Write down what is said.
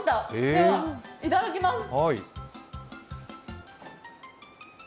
では、いただきます。